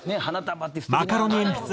マカロニえんぴつ